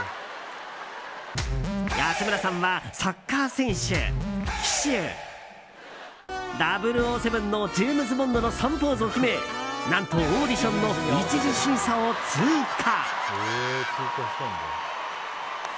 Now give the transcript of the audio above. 安村さんはサッカー選手、騎手「００７」のジェームズ・ボンドの３ポーズを決め何とオーディションの１次審査を通過。